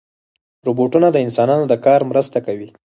روبوټونه د انسانانو د کار مرسته کوي.